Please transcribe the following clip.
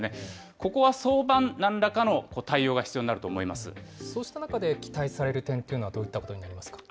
ここは早晩、なんらかの対応が必そうした中で、期待される点というのはどういったことになりますか。